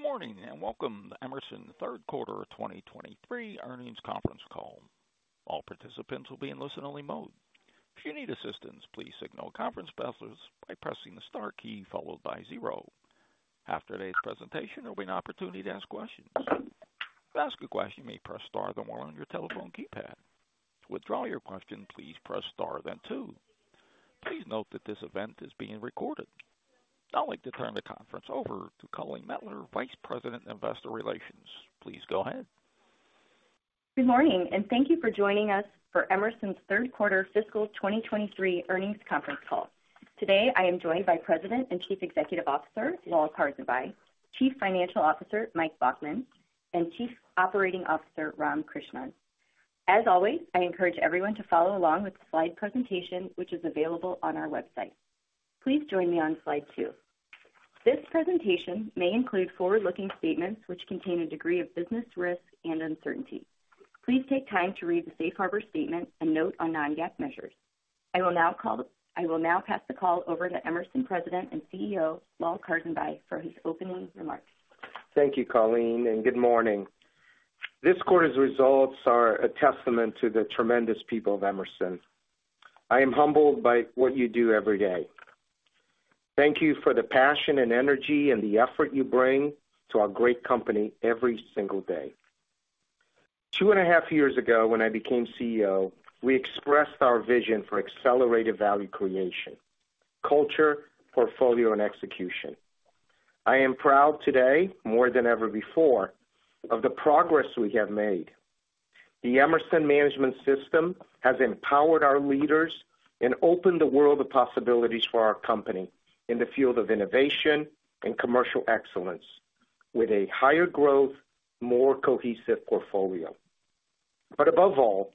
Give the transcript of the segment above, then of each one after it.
Good morning, and welcome to Emerson third quarter 2023 earnings conference call. All participants will be in listen-only mode. If you need assistance, please signal a conference passer by pressing the star key followed by zero. After today's presentation, there will be an opportunity to ask questions. To ask a question, you may press star then one on your telephone keypad. To withdraw your question, please press star then two. Please note that this event is being recorded. Now I'd like to turn the conference over to Colleen Mettler, Vice President, Investor Relations. Please go ahead. Good morning, thank you for joining us for Emerson's third quarter fiscal 2023 earnings conference call. Today, I am joined by President and Chief Executive Officer, Lal Karsanbhai, Chief Financial Officer, Mike Baughman, and Chief Operating Officer, Ram Krishnan. As always, I encourage everyone to follow along with the slide presentation, which is available on our website. Please join me on slide two. This presentation may include forward-looking statements which contain a degree of business risk and uncertainty. Please take time to read the safe harbor statement and note on non-GAAP measures. I will now pass the call over to Emerson President and CEO, Lal Karsanbhai, for his opening remarks. Thank you, Colleen. Good morning. This quarter's results are a testament to the tremendous people of Emerson. I am humbled by what you do every day. Thank you for the passion and energy and the effort you bring to our great company every single day. Two and a half years ago, when I became CEO, we expressed our vision for accelerated value creation, culture, portfolio, and execution. I am proud today, more than ever before, of the progress we have made. The Emerson Management System has empowered our leaders and opened the world of possibilities for our company in the field of innovation and commercial excellence, with a higher growth, more cohesive portfolio. Above all,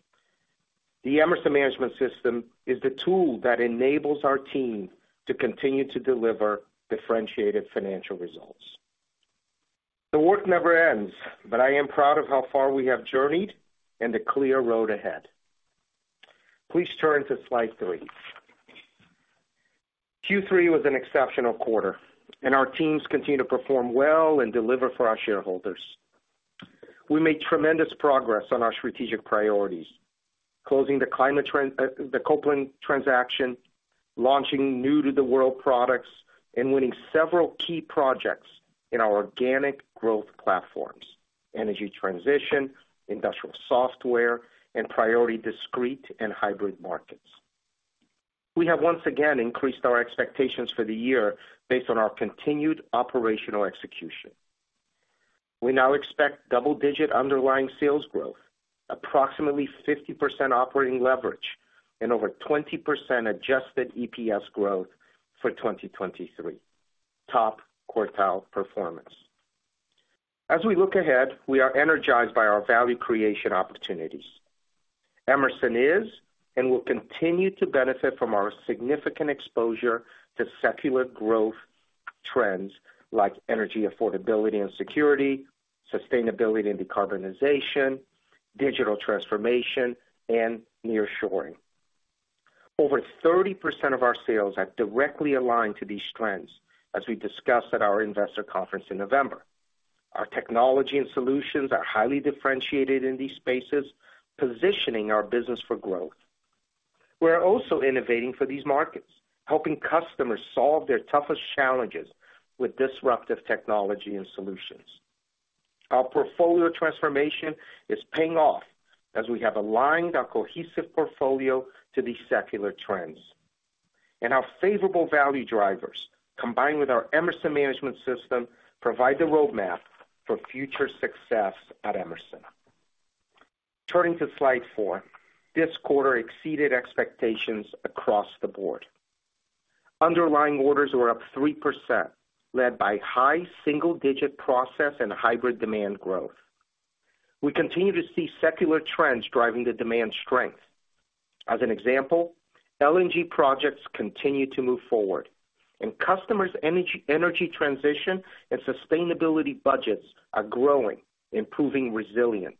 the Emerson Management System is the tool that enables our team to continue to deliver differentiated financial results. The work never ends. I am proud of how far we have journeyed and the clear road ahead. Please turn to slide three. Q3 was an exceptional quarter. Our teams continue to perform well and deliver for our shareholders. We made tremendous progress on our strategic priorities, closing the climate tran- the Copeland transaction, launching new-to-the-world products, and winning several key projects in our organic growth platforms, energy transition, industrial software, and priority discrete and hybrid markets. We have once again increased our expectations for the year based on our continued operational execution. We now expect double-digit underlying sales growth, approximately 50% operating leverage, and over 20% adjusted EPS growth for 2023. Top quartile performance. As we look ahead, we are energized by our value creation opportunities. Emerson is and will continue to benefit from our significant exposure to secular growth trends like energy affordability and security, sustainability and decarbonization, digital transformation, and nearshoring. Over 30% of our sales are directly aligned to these trends, as we discussed at our investor conference in November. Our technology and solutions are highly differentiated in these spaces, positioning our business for growth. We are also innovating for these markets, helping customers solve their toughest challenges with disruptive technology and solutions. Our portfolio transformation is paying off as we have aligned our cohesive portfolio to these secular trends. Our favorable value drivers, combined with our Emerson Management System, provide the roadmap for future success at Emerson. Turning to slide four, this quarter exceeded expectations across the board. Underlying orders were up 3%, led by high single-digit process and hybrid demand growth. We continue to see secular trends driving the demand strength. As an example, LNG projects continue to move forward, and customers' energy, energy transition and sustainability budgets are growing, improving resilient,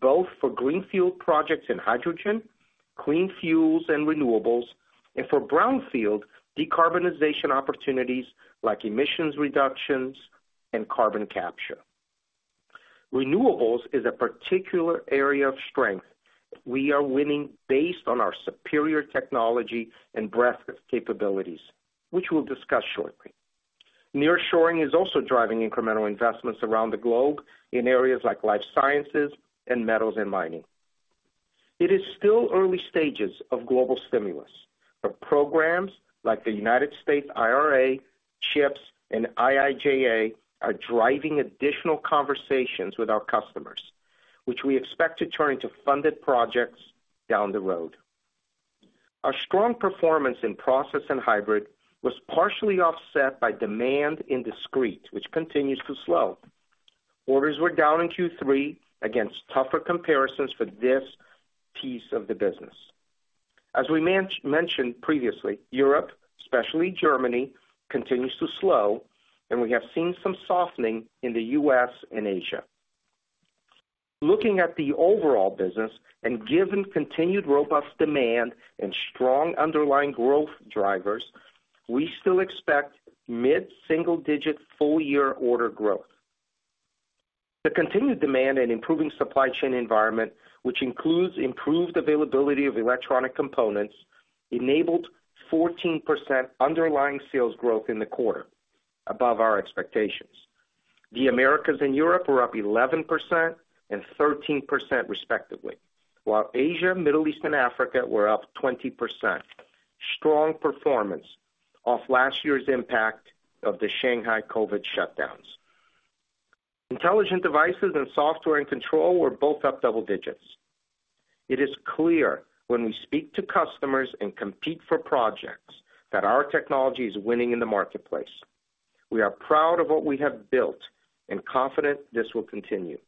both for greenfield projects in hydrogen, clean fuels and renewables, and for brownfield decarbonization opportunities like emissions reductions and carbon capture. Renewables is a particular area of strength. We are winning based on our superior technology and breadth of capabilities, which we'll discuss shortly. Nearshoring is also driving incremental investments around the globe in areas like life sciences and metals and mining. It is still early stages of global stimulus, but programs like the U.S. IRA, CHIPS, and IIJA are driving additional conversations with our customers, which we expect to turn into funded projects down the road. Our strong performance in process and hybrid was partially offset by demand in discrete, which continues to slow. Orders were down in Q3 against tougher comparisons for this piece of the business. As we mentioned previously, Europe, especially Germany, continues to slow, and we have seen some softening in the U.S. and Asia. Looking at the overall business and given continued robust demand and strong underlying growth drivers, we still expect mid-single-digit full-year order growth. The continued demand and improving supply chain environment, which includes improved availability of electronic components, enabled 14% underlying sales growth in the quarter, above our expectations. The Americas and Europe were up 11% and 13%, respectively, while Asia, Middle East, and Africa were up 20%. Strong performance off last year's impact of the Shanghai COVID shutdowns. Intelligent Devices and software and control were both up double digits. It is clear when we speak to customers and compete for projects, that our technology is winning in the marketplace. We are proud of what we have built and confident this will continue.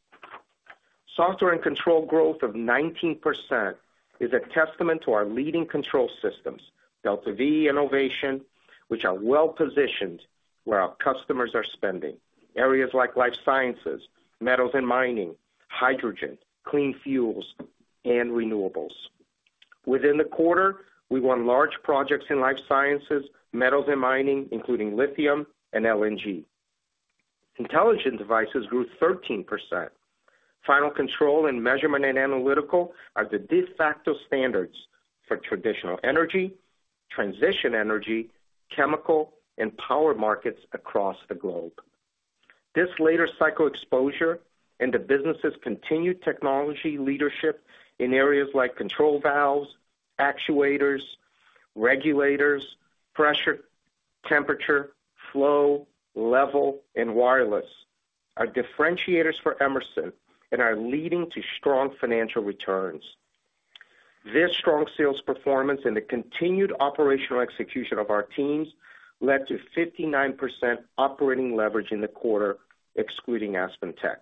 Software and control growth of 19% is a testament to our leading control systems, DeltaV innovation, which are well-positioned where our customers are spending, areas like life sciences, metals and mining, hydrogen, clean fuels, and renewables. Within the quarter, we won large projects in life sciences, metals and mining, including lithium and LNG. Intelligent Devices grew 13%. Final control and measurement and analytical are the de facto standards for traditional energy, transition energy, chemical, and power markets across the globe. This later cycle exposure and the business's continued technology leadership in areas like control valves, actuators, regulators, pressure, temperature, flow, level, and wireless are differentiators for Emerson and are leading to strong financial returns. This strong sales performance and the continued operational execution of our teams led to 59% operating leverage in the quarter, excluding AspenTech.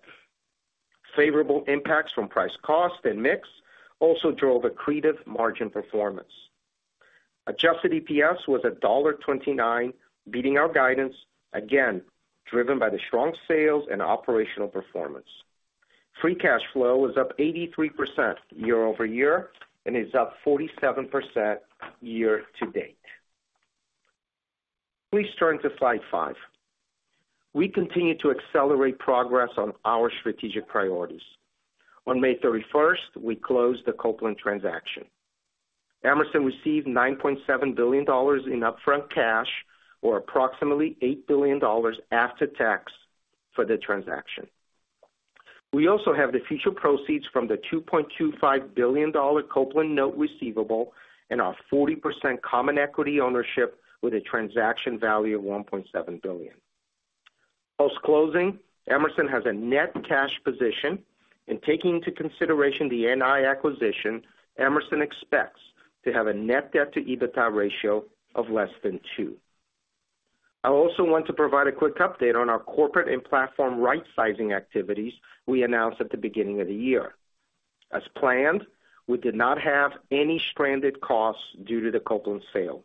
Favorable impacts from price cost and mix also drove accretive margin performance. Adjusted EPS was $1.29, beating our guidance, again, driven by the strong sales and operational performance. Free cash flow was up 83% year-over-year and is up 47% year to date. Please turn to slide five. We continue to accelerate progress on our strategic priorities. On May 31st, we closed the Copeland transaction. Emerson received $9.7 billion in upfront cash, or approximately $8 billion after tax, for the transaction. We also have the future proceeds from the $2.25 billion Copeland note receivable and our 40% common equity ownership with a transaction value of $1.7 billion. Post-closing, Emerson has a net cash position, and taking into consideration the NI acquisition, Emerson expects to have a net debt to EBITDA ratio of less than two. I also want to provide a quick update on our corporate and platform rightsizing activities we announced at the beginning of the year. As planned, we did not have any stranded costs due to the Copeland sale,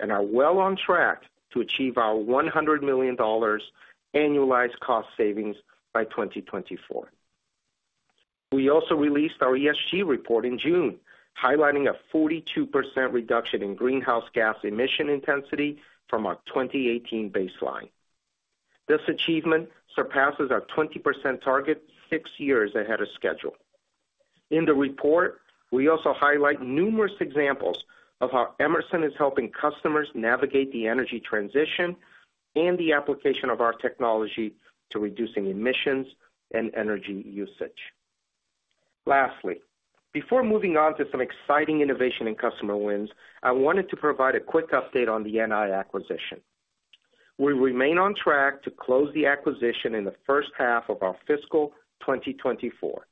and are well on track to achieve our $100 million annualized cost savings by 2024. We also released our ESG report in June, highlighting a 42% reduction in greenhouse gas emission intensity from our 2018 baseline. This achievement surpasses our 20% target six years ahead of schedule. In the report, we also highlight numerous examples of how Emerson is helping customers navigate the energy transition and the application of our technology to reducing emissions and energy usage. Lastly, before moving on to some exciting innovation and customer wins, I wanted to provide a quick update on the NI acquisition. We remain on track to close the acquisition in the first half of our fiscal 2024,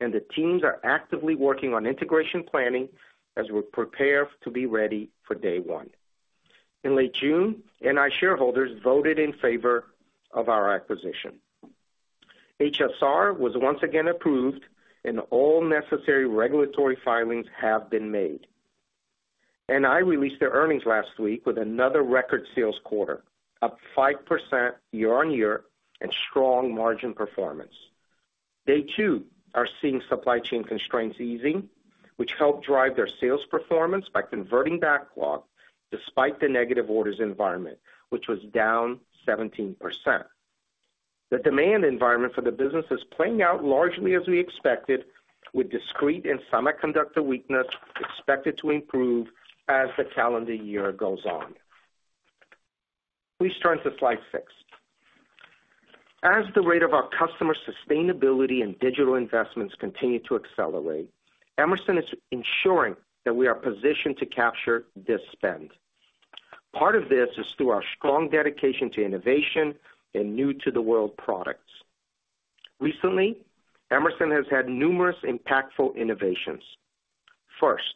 and the teams are actively working on integration planning as we prepare to be ready for day one. In late June, NI shareholders voted in favor of our acquisition. HSR was once again approved. All necessary regulatory filings have been made. NI released their earnings last week with another record sales quarter, up 5% year-on-year and strong margin performance. They, too, are seeing supply chain constraints easing, which helped drive their sales performance by converting backlog despite the negative orders environment, which was down 17%. The demand environment for the business is playing out largely as we expected, with discrete and semiconductor weakness expected to improve as the calendar year goes on. Please turn to slide six. As the rate of our customer sustainability and digital investments continue to accelerate, Emerson is ensuring that we are positioned to capture this spend. Part of this is through our strong dedication to innovation and new-to-the-world products. Recently, Emerson has had numerous impactful innovations. First,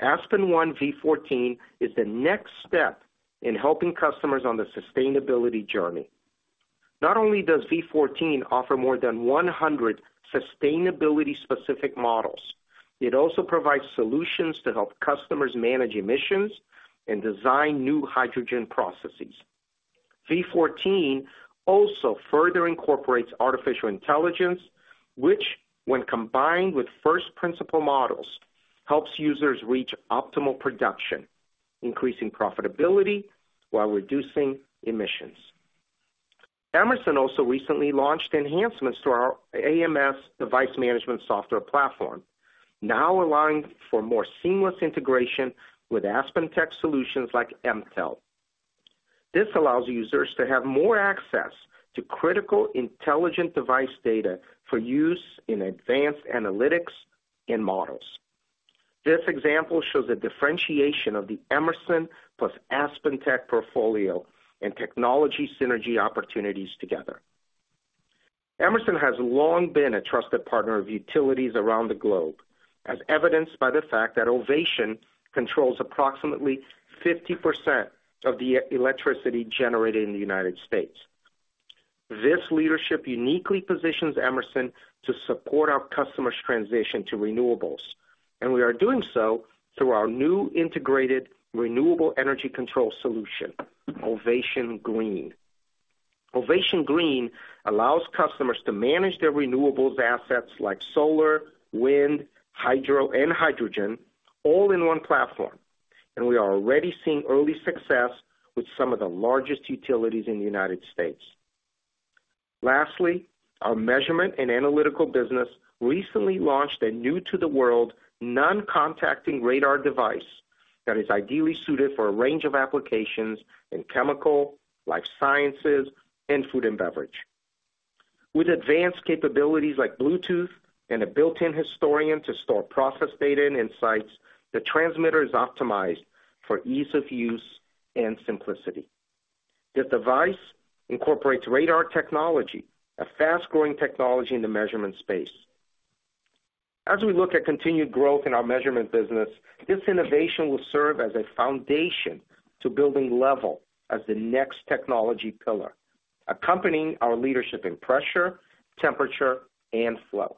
aspenONE V14 is the next step in helping customers on the sustainability journey. Not only does V14 offer more than 100 sustainability-specific models, it also provides solutions to help customers manage emissions and design new hydrogen processes. V14 also further incorporates artificial intelligence, which, when combined with first principle models, helps users reach optimal production, increasing profitability while reducing emissions. Emerson also recently launched enhancements to our AMS Device Manager software platform, now allowing for more seamless integration with AspenTech solutions like Aspen Mtell. This allows users to have more access to critical, intelligent device data for use in advanced analytics and models. This example shows a differentiation of the Emerson plus AspenTech portfolio and technology synergy opportunities together. Emerson has long been a trusted partner of utilities around the globe, as evidenced by the fact that Ovation controls approximately 50% of the electricity generated in the United States. This leadership uniquely positions Emerson to support our customers' transition to renewables, and we are doing so through our new integrated renewable energy control solution, Ovation Green. Ovation Green allows customers to manage their renewables assets like solar, wind, hydro, and hydrogen, all in one platform, and we are already seeing early success with some of the largest utilities in the United States. Lastly, our measurement and analytical business recently launched a new-to-the-world, non-contacting radar device that is ideally suited for a range of applications in chemical, life sciences, and food and beverage. With advanced capabilities like Bluetooth and a built-in historian to store process data and insights, the transmitter is optimized for ease of use and simplicity. The device incorporates radar technology, a fast-growing technology in the measurement space. As we look at continued growth in our measurement business, this innovation will serve as a foundation to building level as the next technology pillar, accompanying our leadership in pressure, temperature, and flow.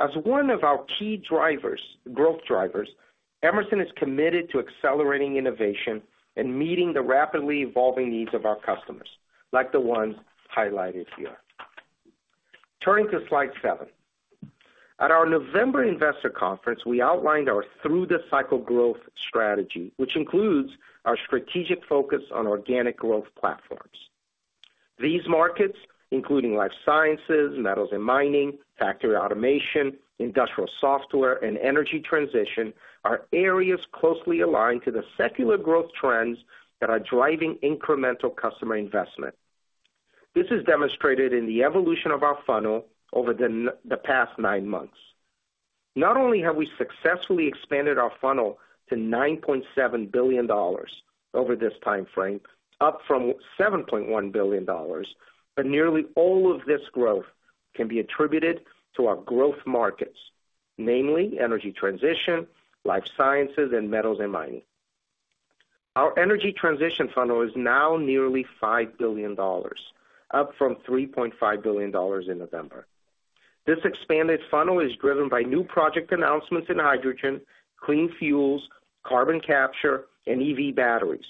As one of our key drivers, growth drivers, Emerson is committed to accelerating innovation and meeting the rapidly evolving needs of our customers, like the ones highlighted here. Turning to slide seven. At our November investor conference, we outlined our through the cycle growth strategy, which includes our strategic focus on organic growth platforms. These markets, including life sciences, metals and mining, factory automation, industrial software, and energy transition, are areas closely aligned to the secular growth trends that are driving incremental customer investment. This is demonstrated in the evolution of our funnel over the past nine months. Not only have we successfully expanded our funnel to $9.7 billion over this time frame, up from $7.1 billion, but nearly all of this growth can be attributed to our growth markets, namely energy transition, life sciences, and metals and mining. Our energy transition funnel is now nearly $5 billion, up from $3.5 billion in November. This expanded funnel is driven by new project announcements in hydrogen, clean fuels, carbon capture, and EV batteries,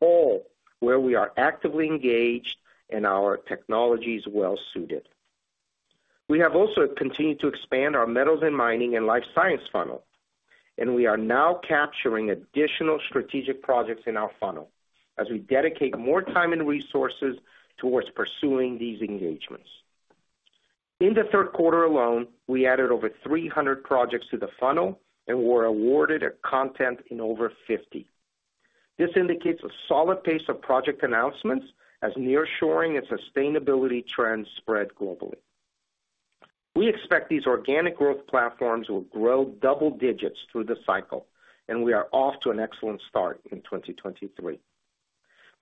all where we are actively engaged and our technology is well suited. We have also continued to expand our metals and mining and life science funnel, and we are now capturing additional strategic projects in our funnel as we dedicate more time and resources towards pursuing these engagements. In the third quarter alone, we added over 300 projects to the funnel and were awarded a content in over 50. This indicates a solid pace of project announcements as nearshoring and sustainability trends spread globally. We expect these organic growth platforms will grow double digits through the cycle, and we are off to an excellent start in 2023.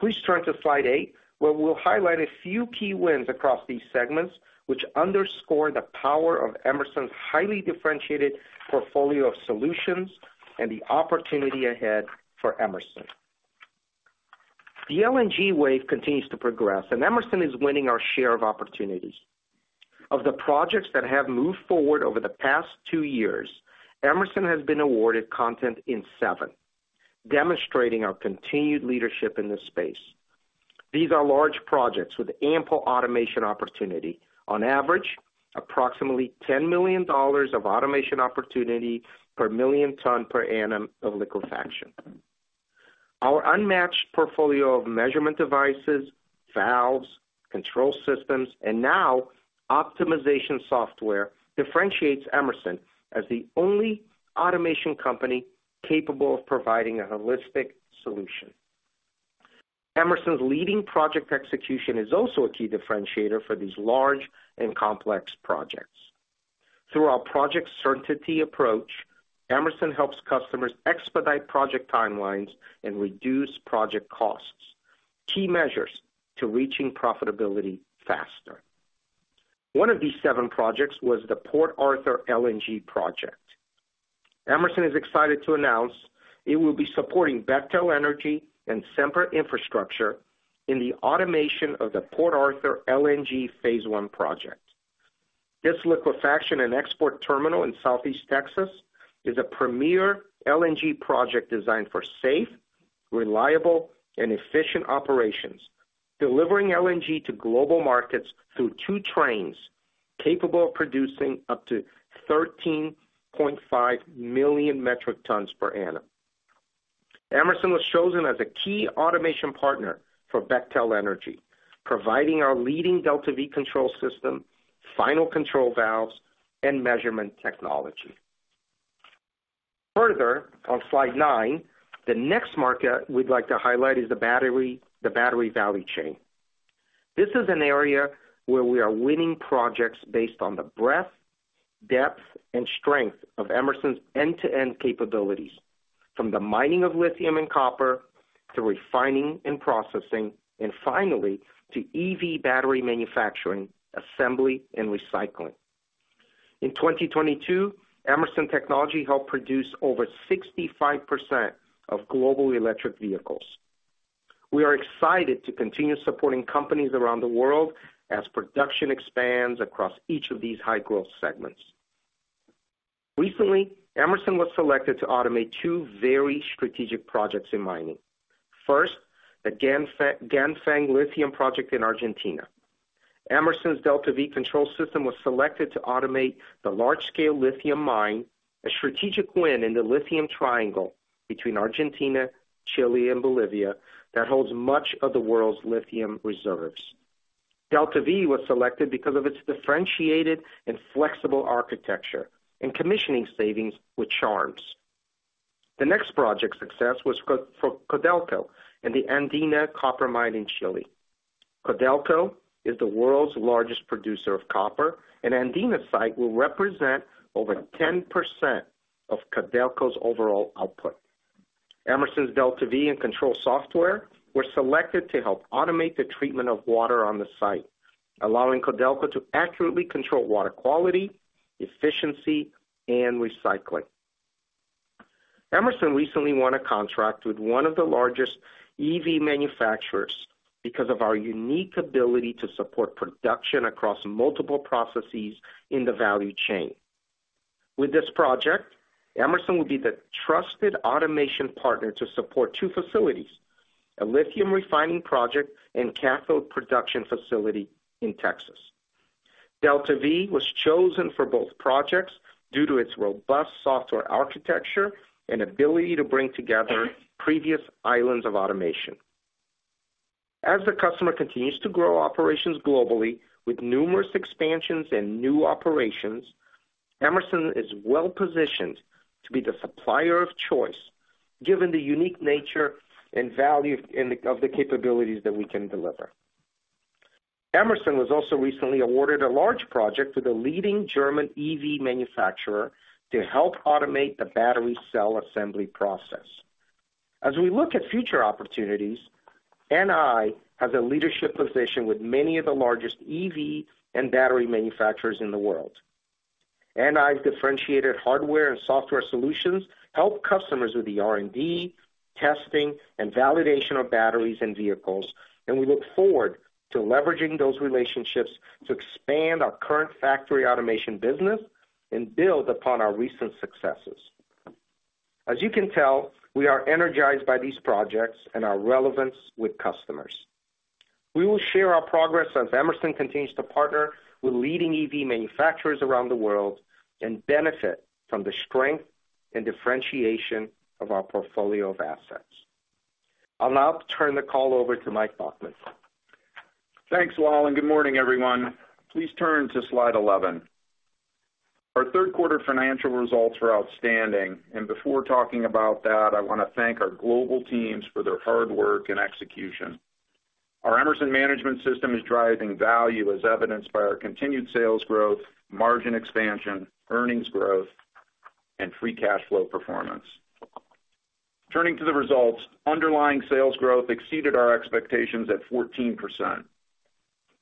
Please turn to slide eight, where we'll highlight a few key wins across these segments, which underscore the power of Emerson's highly differentiated portfolio of solutions and the opportunity ahead for Emerson. The LNG wave continues to progress. Emerson is winning our share of opportunities. Of the projects that have moved forward over the past two years, Emerson has been awarded content in seven, demonstrating our continued leadership in this space. These are large projects with ample automation opportunity. On average, approximately $10 million of automation opportunity per million ton per annum of liquefaction. Our unmatched portfolio of measurement devices, valves, control systems, and now optimization software, differentiates Emerson as the only automation company capable of providing a holistic solution. Emerson's leading project execution is also a key differentiator for these large and complex projects. Through our Project Certainty approach, Emerson helps customers expedite project timelines and reduce project costs, key measures to reaching profitability faster. One of these seven projects was the Port Arthur LNG project. Emerson is excited to announce it will be supporting Bechtel Energy and Sempra Infrastructure in the automation of the Port Arthur LNG phase I project. This liquefaction and export terminal in Southeast Texas is a premier LNG project designed for safe, reliable, and efficient operations, delivering LNG to global markets through two trains, capable of producing up to 13.5 million metric tons per annum. Emerson was chosen as a key automation partner for Bechtel Energy, providing our leading DeltaV control system, final control valves, and measurement technology. On slide nine, the next market we'd like to highlight is the battery, the battery value chain. This is an area where we are winning projects based on the breadth, depth, and strength of Emerson's end-to-end capabilities, from the mining of lithium and copper, to refining and processing, and finally, to EV battery manufacturing, assembly, and recycling. In 2022, Emerson Technology helped produce over 65% of global electric vehicles. We are excited to continue supporting companies around the world as production expands across each of these high-growth segments. Recently, Emerson was selected to automate two very strategic projects in mining. First, the Ganfeng Lithium project in Argentina. Emerson's DeltaV control system was selected to automate the large-scale lithium mine, a strategic win in the lithium triangle between Argentina, Chile, and Bolivia, that holds much of the world's lithium reserves. DeltaV was selected because of its differentiated and flexible architecture, and commissioning savings with CHARMs. The next project success was for Codelco and the Andina copper mine in Chile. Codelco is the world's largest producer of copper, and Andina site will represent over 10% of Codelco's overall output. Emerson's DeltaV and control software were selected to help automate the treatment of water on the site, allowing Codelco to accurately control water quality, efficiency, and recycling. Emerson recently won a contract with one of the largest EV manufacturers because of our unique ability to support production across multiple processes in the value chain. With this project, Emerson will be the trusted automation partner to support two facilities: a lithium refining project and cathode production facility in Texas. DeltaV was chosen for both projects due to its robust software architecture and ability to bring together previous islands of automation. As the customer continues to grow operations globally with numerous expansions and new operations, Emerson is well positioned to be the supplier of choice, given the unique nature and value of the capabilities that we can deliver. Emerson was also recently awarded a large project to the leading German EV manufacturer to help automate the battery cell assembly process. As we look at future opportunities, NI has a leadership position with many of the largest EV and battery manufacturers in the world. NI's differentiated hardware and software solutions help customers with the R&D, testing, and validation of batteries and vehicles. We look forward to leveraging those relationships to expand our current factory automation business and build upon our recent successes. As you can tell, we are energized by these projects and our relevance with customers. We will share our progress as Emerson continues to partner with leading EV manufacturers around the world, and benefit from the strength and differentiation of our portfolio of assets. I'll now turn the call over to Mike Baughman. Thanks, Lal. Good morning, everyone. Please turn to slide 11. Our third quarter financial results were outstanding, and before talking about that, I want to thank our global teams for their hard work and execution. Our Emerson Management System is driving value as evidenced by our continued sales growth, margin expansion, earnings growth, and free cash flow performance. Turning to the results, underlying sales growth exceeded our expectations at 14%.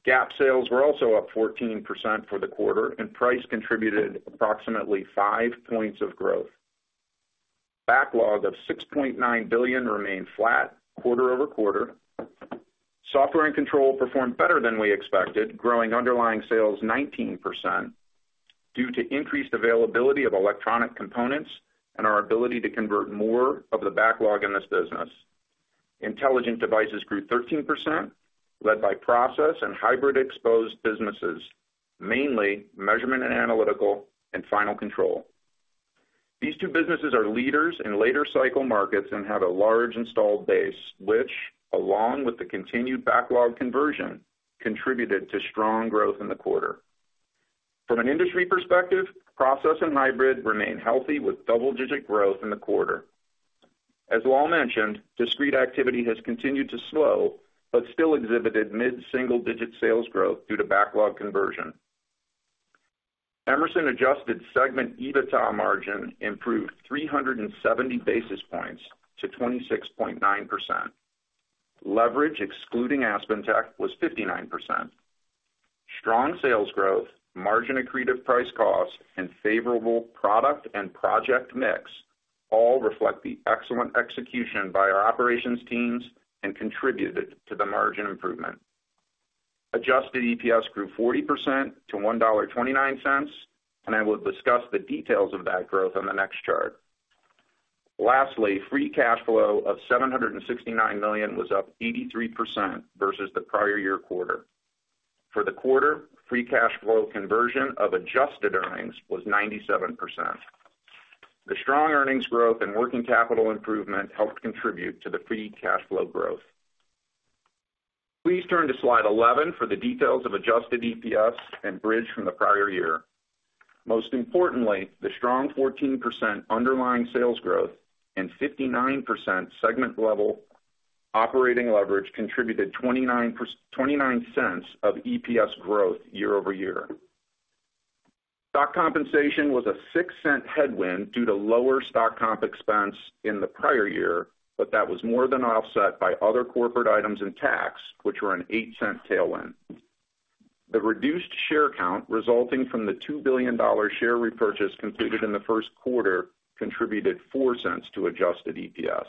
GAAP sales were also up 14% for the quarter, and price contributed approximately five points of growth. Backlog of $6.9 billion remained flat quarter-over-quarter. Software and control performed better than we expected, growing underlying sales 19%, due to increased availability of electronic components and our ability to convert more of the backlog in this business. Intelligent Devices grew 13%, led by process and hybrid exposed businesses, mainly measurement and analytical and final control. These two businesses are leaders in later cycle markets and have a large installed base, which, along with the continued backlog conversion, contributed to strong growth in the quarter. From an industry perspective, process and hybrid remain healthy with double-digit growth in the quarter. As Lal mentioned, discrete activity has continued to slow, but still exhibited mid-single digit sales growth due to backlog conversion. Emerson adjusted segment EBITDA margin improved 370 basis points to 26.9%. Leverage, excluding AspenTech, was 59%. Strong sales growth, margin accretive price costs, and favorable product and project mix-... All reflect the excellent execution by our operations teams and contributed to the margin improvement. Adjusted EPS grew 40% to $1.29. I will discuss the details of that growth on the next chart. Lastly, free cash flow of $769 million was up 83% versus the prior year quarter. For the quarter, free cash flow conversion of adjusted earnings was 97%. The strong earnings growth and working capital improvement helped contribute to the free cash flow growth. Please turn to slide 11 for the details of adjusted EPS and bridge from the prior year. Most importantly, the strong 14% underlying sales growth and 59% segment level operating leverage contributed $0.29 of EPS growth year-over-year. Stock compensation was a $0.06 headwind due to lower stock comp expense in the prior year. That was more than offset by other corporate items and tax, which were an $0.08 tailwind. The reduced share count resulting from the $2 billion share repurchase completed in the 1st quarter contributed $0.04 to adjusted EPS.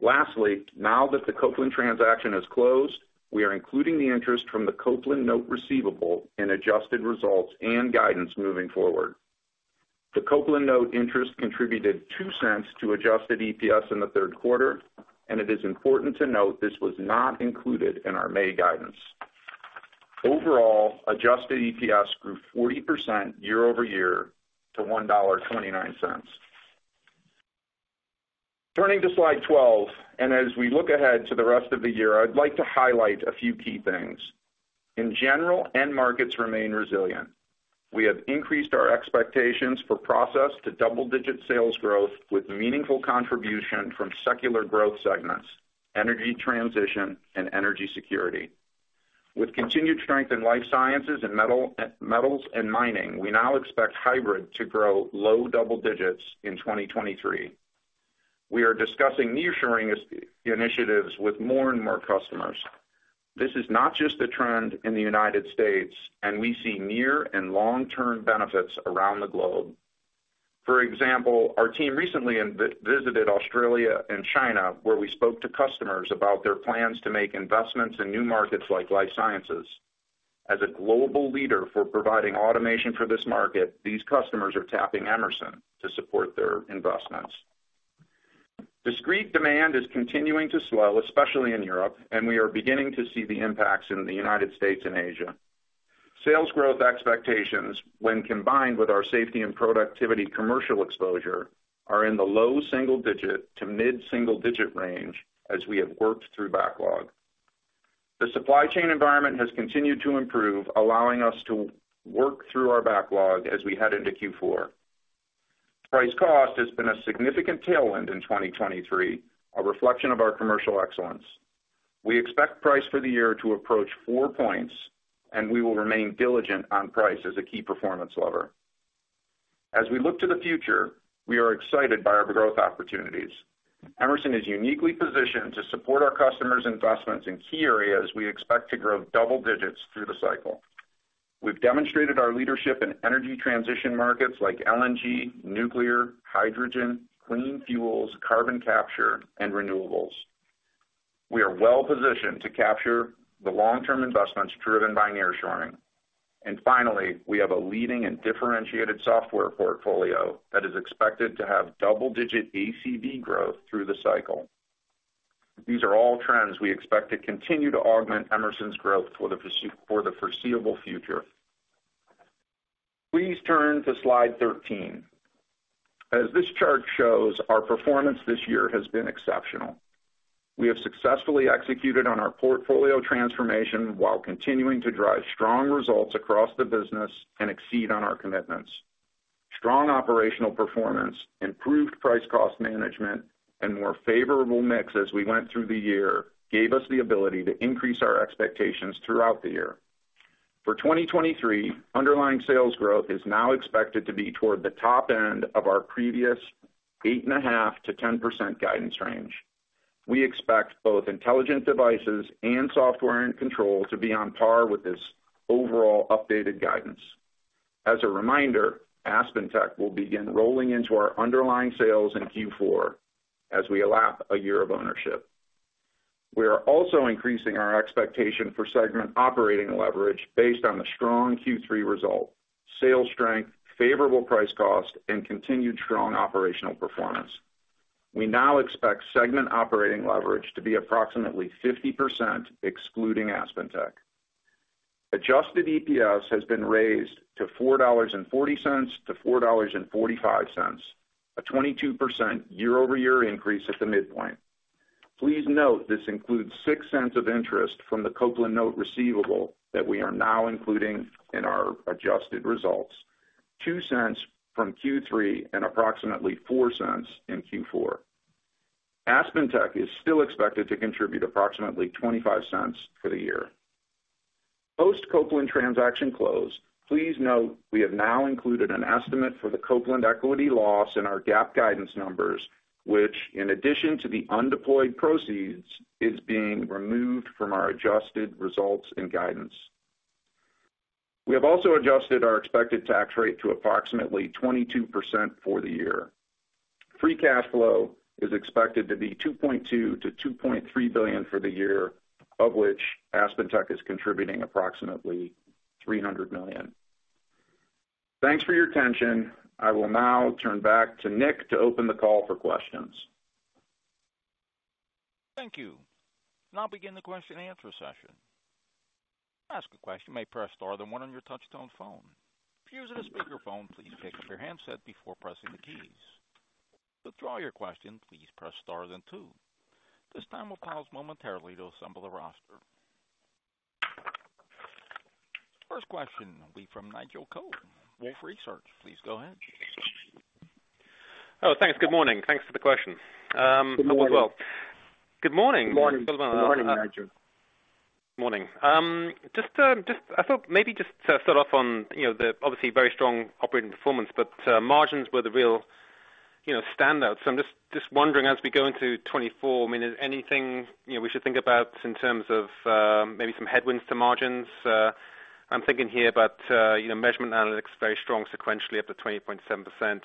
Lastly, now that the Copeland transaction is closed, we are including the interest from the Copeland note receivable in adjusted results and guidance moving forward. The Copeland note interest contributed $0.02 to adjusted EPS in the third quarter. It is important to note this was not included in our May guidance. Overall, adjusted EPS grew 40% year-over-year to $1.29. Turning to slide 12. As we look ahead to the rest of the year, I'd like to highlight a few key things. In general, end markets remain resilient. We have increased our expectations for process to double-digit sales growth, with meaningful contribution from secular growth segments, energy transition, and energy security. With continued strength in life sciences and metal, metals and mining, we now expect hybrid to grow low double digits in 2023. We are discussing nearshoring initiatives with more and more customers. This is not just a trend in the United States, and we see near and long-term benefits around the globe. For example, our team recently visited Australia and China, where we spoke to customers about their plans to make investments in new markets like life sciences. As a global leader for providing automation for this market, these customers are tapping Emerson to support their investments. Discrete demand is continuing to slow, especially in Europe, and we are beginning to see the impacts in the United States and Asia. Sales growth expectations, when combined with our safety and productivity commercial exposure, are in the low single-digit to mid-single-digit range as we have worked through backlog. The supply chain environment has continued to improve, allowing us to work through our backlog as we head into Q4. Price cost has been a significant tailwind in 2023, a reflection of our commercial excellence. We expect price for the year to approach 4 points, and we will remain diligent on price as a key performance lever. As we look to the future, we are excited by our growth opportunities. Emerson is uniquely positioned to support our customers' investments in key areas we expect to grow double digits through the cycle. We've demonstrated our leadership in energy transition markets like LNG, nuclear, hydrogen, clean fuels, carbon capture, and renewables. We are well-positioned to capture the long-term investments driven by nearshoring. Finally, we have a leading and differentiated software portfolio that is expected to have double-digit ACV growth through the cycle. These are all trends we expect to continue to augment Emerson's growth for the foreseeable future. Please turn to slide 13. As this chart shows, our performance this year has been exceptional. We have successfully executed on our portfolio transformation while continuing to drive strong results across the business and exceed on our commitments. Strong operational performance, improved price-cost management, and more favorable mix as we went through the year, gave us the ability to increase our expectations throughout the year. For 2023, underlying sales growth is now expected to be toward the top end of our previous 8.5%-10% guidance range. We expect both Intelligent Devices and software and control to be on par with this overall updated guidance. As a reminder, AspenTech will begin rolling into our underlying sales in Q4 as we lap a year of ownership. We are also increasing our expectation for segment operating leverage based on the strong Q3 result, sales strength, favorable price cost, and continued strong operational performance. We now expect segment operating leverage to be approximately 50%, excluding AspenTech. Adjusted EPS has been raised to $4.40-$4.45, a 22% year-over-year increase at the midpoint. Please note, this includes $0.06 of interest from the Copeland note receivable that we are now including in our adjusted results, $0.02 from Q3, and approximately $0.04 in Q4. AspenTech is still expected to contribute approximately $0.25 for the year. Post Copeland transaction close, please note, we have now included an estimate for the Copeland equity loss in our GAAP guidance numbers, which, in addition to the undeployed proceeds, is being removed from our adjusted results and guidance. We have also adjusted our expected tax rate to approximately 22% for the year. Free cash flow is expected to be $2.2 billion-$2.3 billion for the year, of which AspenTech is contributing approximately $300 million. Thanks for your attention. I will now turn back to Nick to open the call for questions. Thank you. Now begin the question and answer session. To ask a question, may press star then one on your touchtone phone. If you're using a speaker phone, please pick up your handset before pressing the keys. To withdraw your question, please press star then two. This time, we'll pause momentarily to assemble the roster. First question will be from Nigel Coe, Wolfe Research. Please go ahead. Oh, thanks. Good morning. Thanks for the questions. Good morning. Good morning. Good morning, Nigel. Morning. Just, just I thought maybe just to start off on, you know, the obviously very strong operating performance, but margins were the real, you know, standout. I'm just, just wondering, as we go into 2024, I mean, is anything, you know, we should think about in terms of, maybe some headwinds to margins? I'm thinking here about, you know, measurement analytics, very strong sequentially up to 20.7%.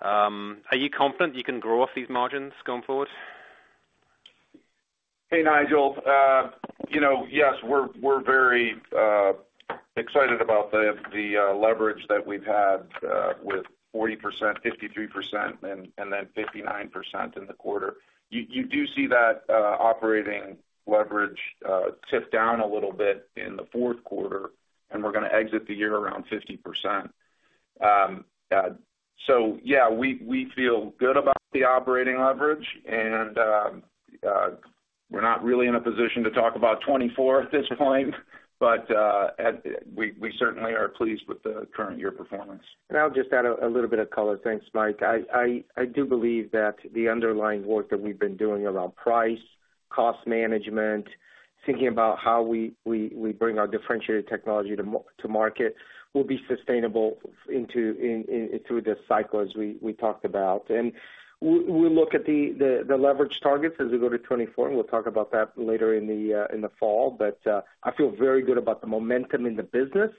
Are you confident you can grow off these margins going forward? Hey, Nigel. You know, yes, we're, we're very excited about the leverage that we've had with 40%, 53%, and then 59% in the quarter. You, you do see that operating leverage tip down a little bit in the fourth quarter, and we're gonna exit the year around 50%. Yeah, we, we feel good about the operating leverage, and we're not really in a position to talk about 2024 at this point, but we, we certainly are pleased with the current year performance. I'll just add a little bit of color. Thanks, Mike. I do believe that the underlying work that we've been doing around price, cost management, thinking about how we bring our differentiated technology to market, will be sustainable through this cycle, as we talked about. We look at the leverage targets as we go to 2024, and we'll talk about that later in the fall. I feel very good about the momentum in the business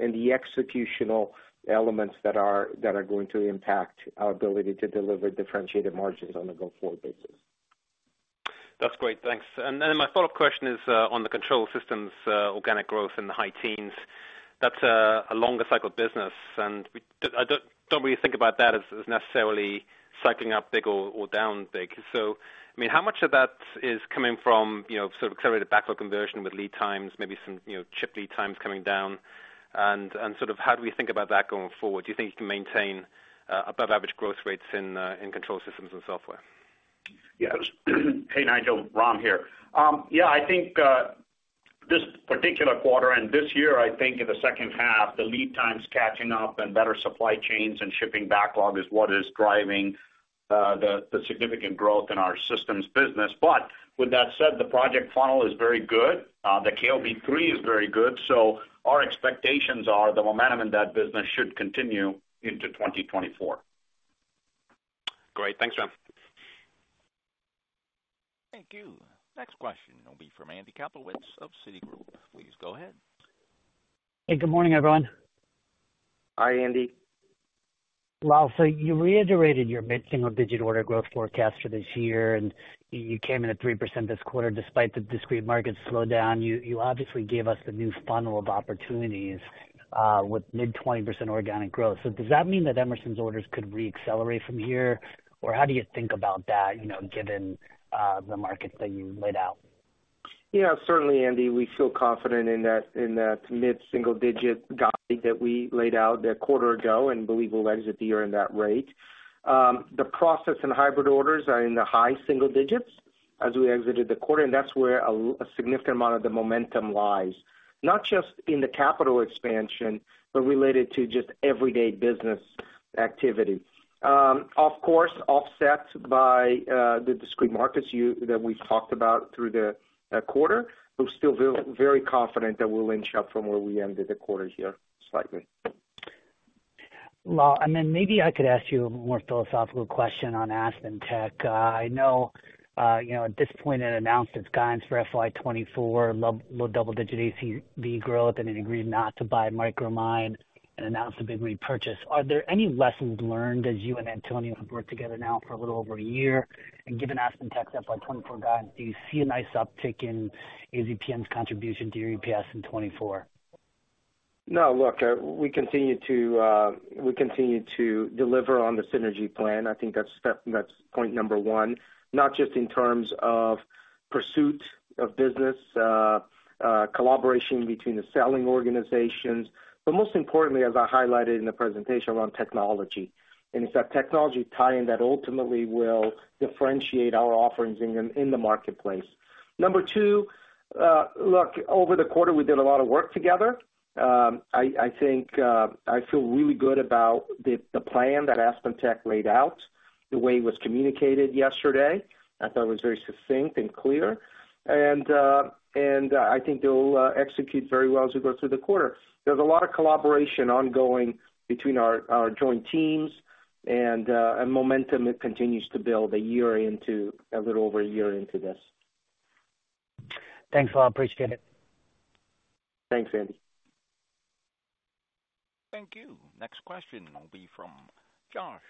and the executional elements that are going to impact our ability to deliver differentiated margins on a go-forward basis. That's great. Thanks. My follow-up question is on the control systems organic growth in the high teens. That's a longer cycle business, and I don't really think about that as necessarily cycling up big or down big. I mean, how much of that is coming from, you know, sort of clear the backlog conversion with lead times, maybe some, you know, chip lead times coming down? How do we think about that going forward? Do you think you can maintain above average growth rates in control systems and software? Yeah. Hey, Nigel, Ram here. Yeah, I think, this particular quarter and this year, I think in the second half, the lead times catching up and better supply chains and shipping backlog is what is driving, the, the significant growth in our systems business. With that said, the project funnel is very good. The KOB3 is very good, so our expectations are the momentum in that business should continue into 2024. Great. Thanks, Ram. Thank you. Next question will be from Andy Kaplowitz of Citigroup. Please go ahead. Hey, good morning, everyone. Hi, Andy. You reiterated your mid-single-digit order growth forecast for this year, and y- you came in at 3% this quarter despite the discrete market slowdown. You, you obviously gave us the new funnel of opportunities, with mid-20% organic growth. Does that mean that Emerson's orders could reaccelerate from here, or how do you think about that, you know, given the markets that you laid out? Yeah, certainly, Andy, we feel confident in that, in that mid-single-digit guide that we laid out a quarter ago and believe we'll exit the year in that rate. The process and hybrid orders are in the high-single-digits as we exited the quarter, and that's where a significant amount of the momentum lies, not just in the capital expansion, but related to just everyday business activity. Of course, offset by the discrete markets that we've talked about through the quarter, but we're still very, very confident that we'll inch up from where we ended the quarter here, slightly. Well, then maybe I could ask you a more philosophical question on AspenTech. I know, you know, at this point it announced its guidance for FY 2024, low, low double-digit ACV growth, and it agreed not to buy Micromine and announced a big repurchase. Are there any lessons learned as you and Antonio have worked together now for a little over a year, and given AspenTech's FY 2024 guidance, do you see a nice uptick in AZPN's contribution to your EPS in 2024? No, look, we continue to, we continue to deliver on the synergy plan. I think that's step, that's point number one, not just in terms of pursuit of business, collaboration between the selling organizations, but most importantly, as I highlighted in the presentation, around technology. It's that technology tie-in that ultimately will differentiate our offerings in the, in the marketplace. Number two, look, over the quarter, we did a lot of work together. I, I think, I feel really good about the, the plan that AspenTech laid out, the way it was communicated yesterday. I thought it was very succinct and clear. I think they'll, execute very well as we go through the quarter. There's a lot of collaboration ongoing between our, our joint teams and, and momentum that continues to build a little over a year into this. Thanks a lot. I appreciate it. Thanks, Andy. Thank you. Next question will be from Josh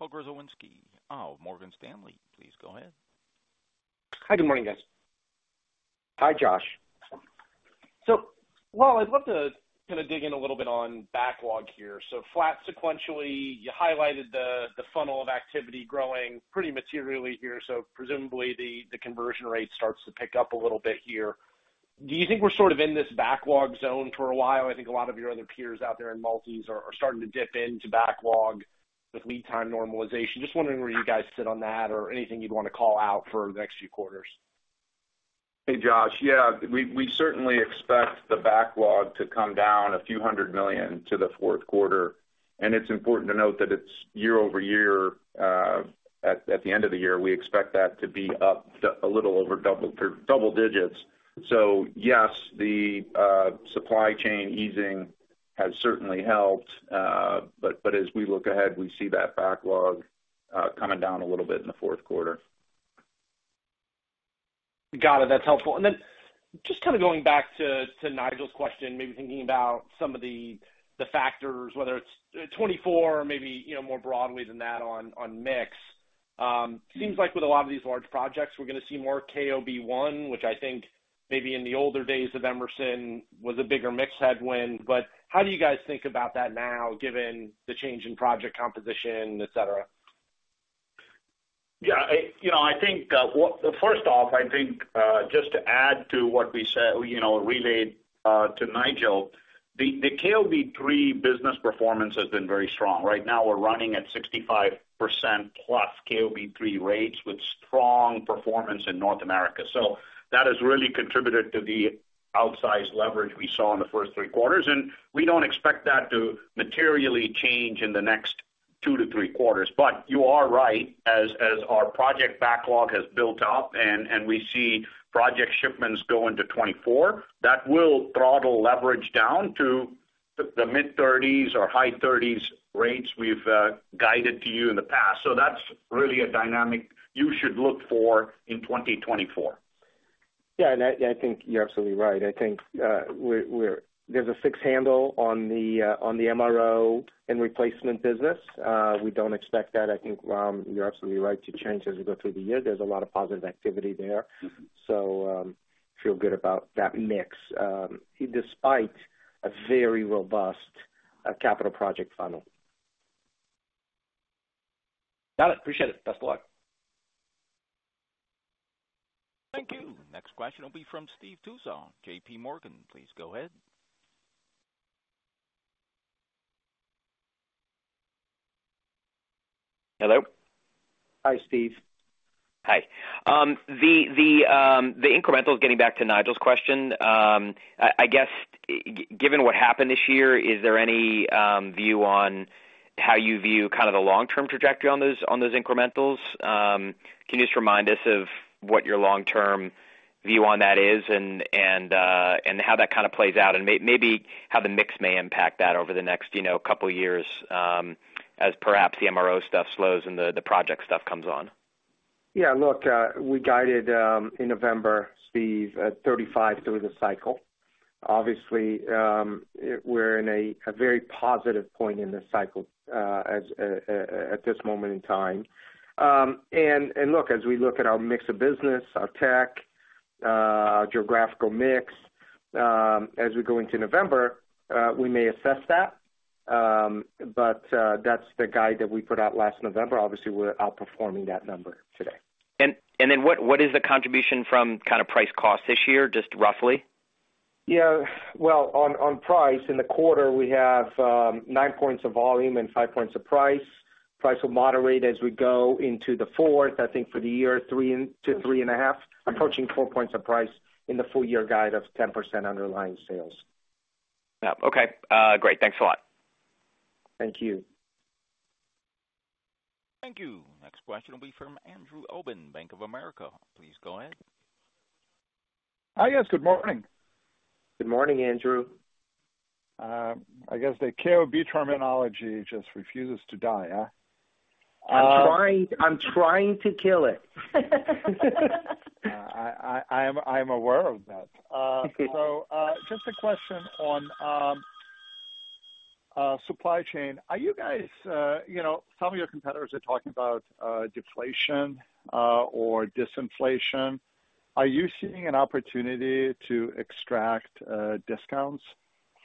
Pokrzywinski of Morgan Stanley. Please go ahead. Hi, good morning, guys. Hi, Josh. Well, I'd love to kind of dig in a little bit on backlog here. Flat sequentially, you highlighted the, the funnel of activity growing pretty materially here. Presumably, the, the conversion rate starts to pick up a little bit here. Do you think we're sort of in this backlog zone for a while? I think a lot of your other peers out there in multis are, are starting to dip into backlog with lead time normalization. Just wondering where you guys sit on that or anything you'd want to call out for the next few quarters. Hey, Josh. Yeah, we, we certainly expect the backlog to come down a few hundred million dollars to the fourth quarter, and it's important to note that it's year-over-year, at the end of the year, we expect that to be up to a little over double-- double digits. Yes, the supply chain easing has certainly helped. As we look ahead, we see that backlog coming down a little bit in the fourth quarter. Got it. That's helpful. Just kind of going back to, to Nigel's question, maybe thinking about some of the, the factors, whether it's 2024 or maybe, you know, more broadly than that on, on mix. Seems like with a lot of these large projects, we're gonna see more KOB1, which I think maybe in the older days of Emerson was a bigger mix headwind. How do you guys think about that now, given the change in project composition, et cetera? Yeah, I, you know, I think, what-- first off, I think, just to add to what we said, you know, relayed to Nigel, the KOB3 business performance has been very strong. Right now, we're running at 65%+ KOB3 rates with strong performance in North America. That has really contributed to the outsized leverage we saw in the first three quarters, and we don't expect that to materially change in the next two to three quarters. You are right, as, as our project backlog has built up and, and we see project shipments go into 2024, that will throttle leverage down to the mid-30s or high 30s rates we've guided to you in the past. That's really a dynamic you should look for in 2024. Yeah, I, I think you're absolutely right. I think, there's a fixed handle on the, on the MRO in replacement business. We don't expect that. I think, you're absolutely right, to change as we go through the year. There's a lot of positive activity there. Mm-hmm. Feel good about that mix, despite a very robust capital project funnel. Got it. Appreciate it. Best of luck. Thank you. Next question will be from Steve Tusa, J.P. Morgan. Please go ahead. Hello? Hi, Steve. Hi. The incremental, getting back to Nigel's question, I guess, given what happened this year, is there any view on how you view kind of the long-term trajectory on those, on those incrementals? Can you just remind us of what your long-term view on that is and, and how that kind of plays out, and maybe how the mix may impact that over the next, you know, couple years, as perhaps the MRO stuff slows and the project stuff comes on? Yeah, look, we guided, in November, Steve, at 35 through the cycle. Obviously, we're in a, a very positive point in the cycle, as, at this moment in time. Look, as we look at our mix of business, our tech, geographical mix, as we go into November, we may assess that. That's the guide that we put out last November. Obviously, we're outperforming that number today. Then what, what is the contribution from kind of price cost this year, just roughly? Yeah. Well, on, on price, in the quarter, we have, nine points of volume and five points of price. Price will moderate as we go into the fourth. I think for the year, 3-3.5, approaching four points of price in the full year guide of 10% underlying sales. Yeah. Okay, great. Thanks a lot. Thank you. Thank you. Next question will be from Andrew Obin, Bank of America. Please go ahead. Hi, guys. Good morning. Good morning, Andrew. I guess the KOB terminology just refuses to die, huh? I'm trying, I'm trying to kill it. I am aware of that. Just a question on supply chain. Are you guys, you know, some of your competitors are talking about deflation or disinflation. Are you seeing an opportunity to extract discounts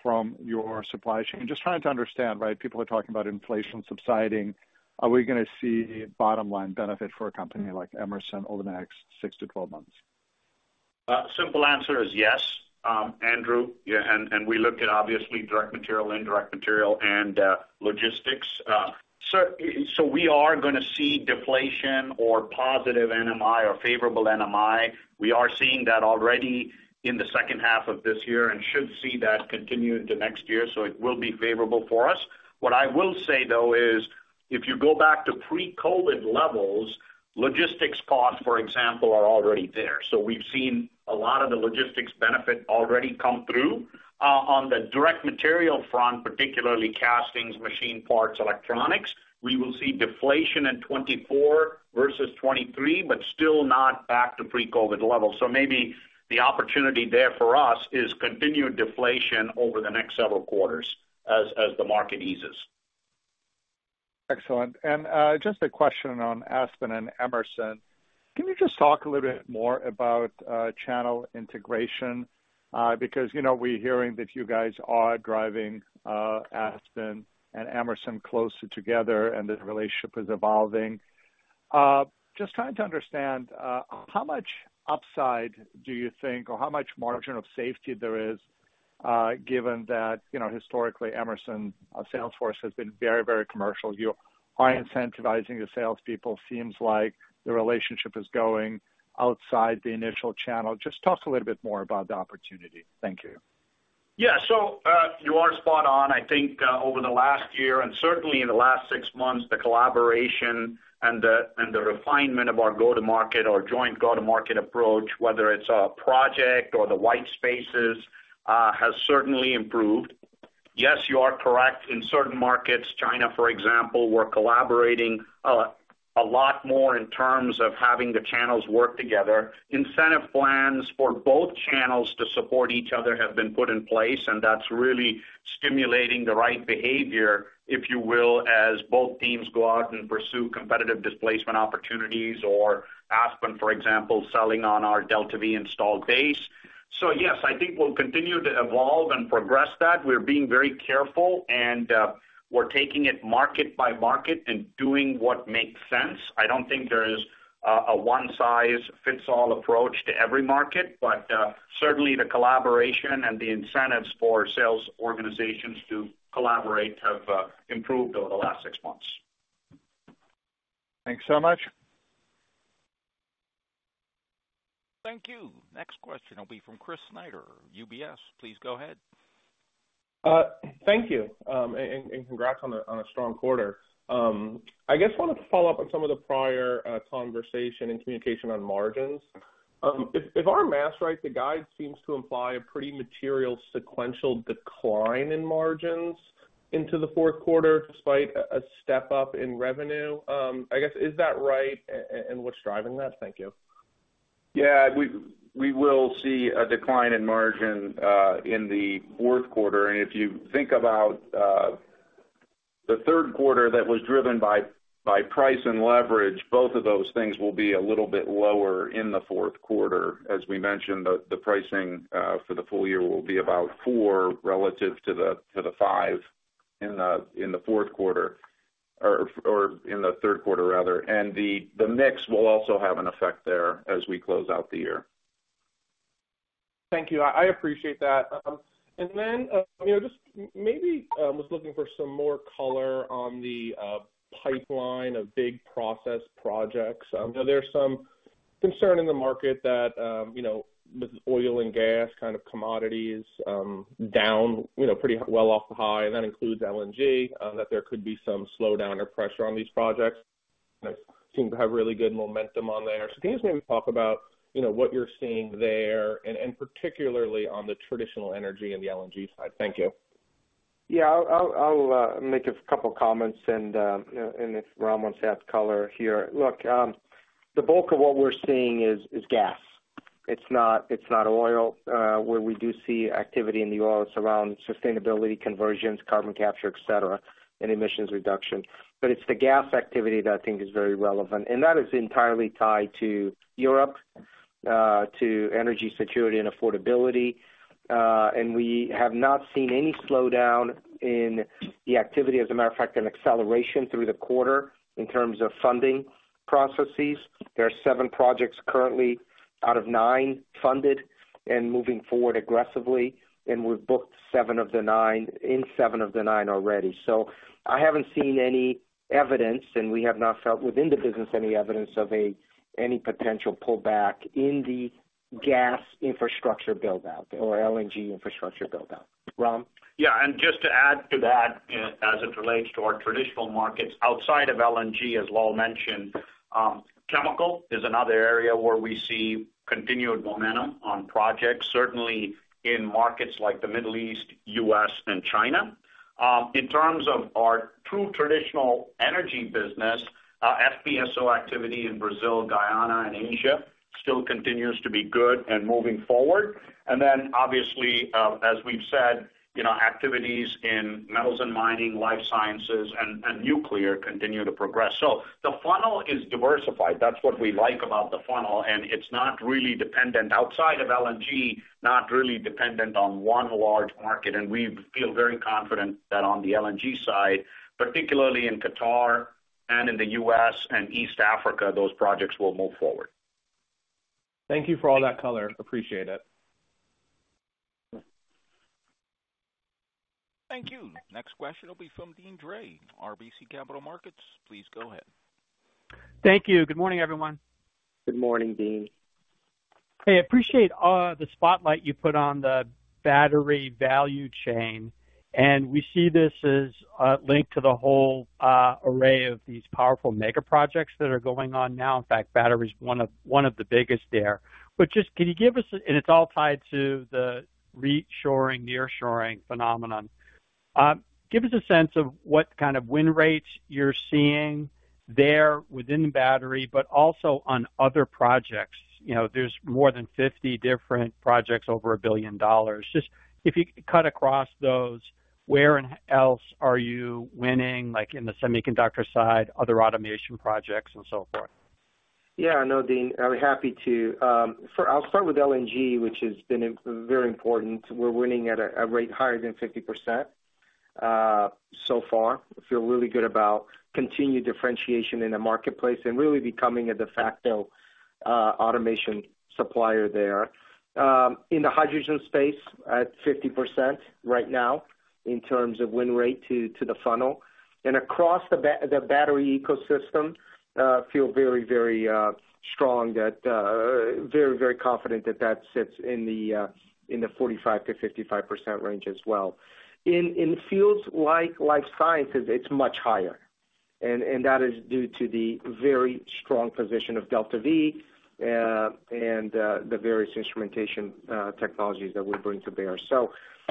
from your supply chain? Just trying to understand, right? People are talking about inflation subsiding. Are we gonna see bottom line benefit for a company like Emerson over the next six to 12 months? Simple answer is yes, Andrew. We looked at obviously direct material, indirect material, and logistics. We are gonna see deflation or positive NMI or favorable NMI. We are seeing that already in the second half of this year and should see that continue into next year, so it will be favorable for us. What I will say, though, is if you go back to pre-COVID levels, logistics costs, for example, are already there. We've seen a lot of the logistics benefit already come through. On the direct material front, particularly castings, machine parts, electronics, we will see deflation in 2024 versus 2023, but still not back to pre-COVID levels. Maybe the opportunity there for us is continued deflation over the next several quarters as the market eases. Excellent. Just a question on Aspen and Emerson. Can you just talk a little bit more about channel integration? Because, you know, we're hearing that you guys are driving Aspen and Emerson closer together, and the relationship is evolving. Just trying to understand how much upside do you think, or how much margin of safety there is, given that, you know, historically, Emerson sales force has been very, very commercial. You are incentivizing the salespeople. Seems like the relationship is going outside the initial channel. Just talk a little bit more about the opportunity. Thank you. Yeah, you are spot on. I think over the last year, and certainly in the last six months, the collaboration and the refinement of our go-to-market, our joint go-to-market approach, whether it's a project or the white spaces, has certainly improved. Yes, you are correct. In certain markets, China, for example, we're collaborating a lot more in terms of having the channels work together. Incentive plans for both channels to support each other have been put in place, and that's really stimulating the right behavior, if you will, as both teams go out and pursue competitive displacement opportunities, or Aspen, for example, selling on our DeltaV installed base. Yes, I think we'll continue to evolve and progress that. We're being very careful, and we're taking it market by market and doing what makes sense. I don't think there is a one-size-fits-all approach to every market, but certainly the collaboration and the incentives for sales organizations to collaborate have improved over the last six months. Thanks so much. Thank you. Next question will be from Chris Snyder, UBS. Please go ahead. Thank you, and congrats on a strong quarter. I guess wanted to follow up on some of the prior conversation and communication on margins. If our math's right, the guide seems to imply a pretty material sequential decline in margins into the fourth quarter, despite a step up in revenue. I guess, is that right? And what's driving that? Thank you. Yeah, we, we will see a decline in margin in the fourth quarter. If you think about the third quarter, that was driven by, by price and leverage, both of those things will be a little bit lower in the fourth quarter. As we mentioned, the, the pricing for the full year will be about four relative to the, to the five in the, in the fourth quarter or, or in the third quarter, rather. The, the mix will also have an effect there as we close out the year. Thank you. I appreciate that. And then, you know, just maybe, was looking for some more color on the pipeline of big process projects. You know, there's some concern in the market that, you know, with oil and gas kind of commodities, down, you know, pretty well off the high, and that includes LNG, that there could be some slowdown or pressure on these projects. You seem to have really good momentum on there. So can you maybe talk about, you know, what you're seeing there, and, and particularly on the traditional energy and the LNG side? Thank you. Yeah, I'll, I'll make a couple comments, and if Ram wants to add color here. Look, the bulk of what we're seeing is gas. It's not, it's not oil. Where we do see activity in the oil, it's around sustainability, conversions, carbon capture, et cetera, and emissions reduction. It's the gas activity that I think is very relevant, and that is entirely tied to Europe, to energy security and affordability. We have not seen any slowdown in the activity, as a matter of fact, an acceleration through the quarter in terms of funding processes. There are seven projects currently out of nine funded and moving forward aggressively, and we've booked seven of the nine, in seven of the nine already. I haven't seen any evidence, and we have not felt within the business any evidence of any potential pullback in the gas infrastructure build-out or LNG infrastructure build-out. Ram? Just to add to that, you know, as it relates to our traditional markets, outside of LNG, as Lal mentioned, chemical is another area where we see continued momentum on projects, certainly in markets like the Middle East, U.S., and China. In terms of our true traditional energy business, FPSO activity in Brazil, Guyana and Asia still continues to be good and moving forward. Obviously, as we've said, you know, activities in metals and mining, life sciences and, and nuclear continue to progress. The funnel is diversified. That's what we like about the funnel, and it's not really dependent outside of LNG, not really dependent on one large market. We feel very confident that on the LNG side, particularly in Qatar and in the U.S. and East Africa, those projects will move forward. Thank you for all that color. Appreciate it. Thank you. Next question will be from Deane Dray, RBC Capital Markets. Please go ahead. Thank you. Good morning, everyone. Good morning, Dean. Hey, I appreciate the spotlight you put on the battery value chain, and we see this as linked to the whole array of these powerful mega projects that are going on now. In fact, battery is one of, one of the biggest there. Just can you give us-- and it's all tied to the reshoring, nearshoring phenomenon. Give us a sense of what kind of win rates you're seeing there within the battery, but also on other projects. You know, there's more than 50 different projects over $1 billion. Just if you could cut across those, where else are you winning, like in the semiconductor side, other automation projects and so forth? Yeah, I know, Deane. I'll be happy to. I'll start with LNG, which has been very important. We're winning at a rate higher than 50% so far. I feel really good about continued differentiation in the marketplace and really becoming a de facto automation supplier there. In the hydrogen space, at 50% right now in terms of win rate to the funnel. Across the battery ecosystem, feel very, very strong that very, very confident that that sits in the 45%-55% range as well. In fields like life sciences, it's much higher, and that is due to the very strong position of DeltaV and the various instrumentation technologies that we bring to bear.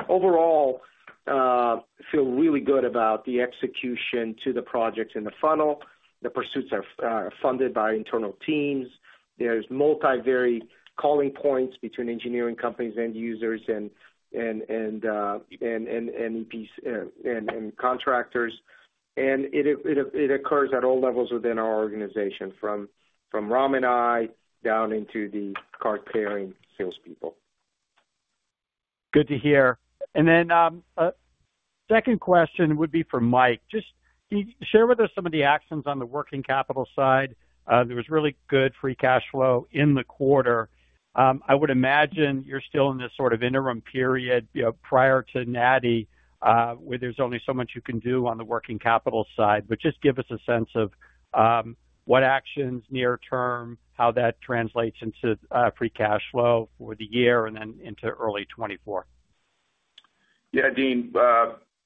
Overall, feel really good about the execution to the projects in the funnel. The pursuits are funded by internal teams. There's multi-varied calling points between engineering companies, end users, and, and, and, and, and EPS, and, and contractors. It, it, it occurs at all levels within our organization, from, from Ram and I, down into the card-carrying salespeople. Good to hear. Then, second question would be for Mike. Just can you share with us some of the actions on the working capital side? There was really good free cash flow in the quarter. I would imagine you're still in this sort of interim period, you know, prior to NI, where there's only so much you can do on the working capital side. Just give us a sense of what actions near term, how that translates into free cash flow for the year and then into early 2024. Yeah, Deane.